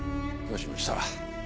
どうしました？